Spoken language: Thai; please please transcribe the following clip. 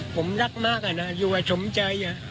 ผมรักมากอะนะอยู่กับสมใจ